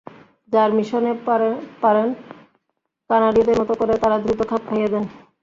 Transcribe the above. যারা মিশতে পারেন কানাডীয়দের মতো করে তারা দ্রুত খাপ খাইয়ে নেন।